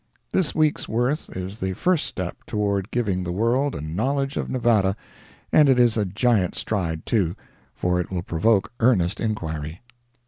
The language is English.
This week's work is the first step toward giving the world a knowledge of Nevada, and it is a giant stride, too, for it will provoke earnest inquiry.